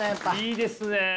いいですね！